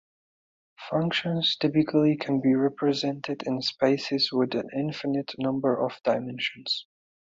Functions typically can be represented in spaces with an infinite number of dimensions.